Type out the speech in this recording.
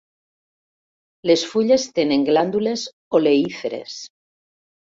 Les fulles tenen glàndules oleíferes.